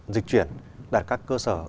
dịch chuyển đặt các cơ sở